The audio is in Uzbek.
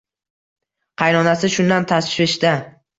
Qaynonasi shundan tashvishda